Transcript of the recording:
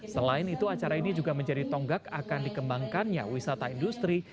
selain itu acara ini juga menjadi tonggak akan dikembangkannya wisata industri